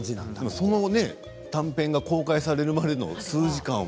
その短編が公開されるまでの数時間は。